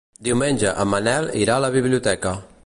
Diumenge en Manel irà a la biblioteca.